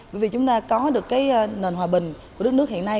bởi vì chúng ta có được nền hòa bình của đất nước hiện nay